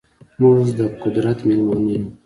موږ ده قدرت میلمانه یو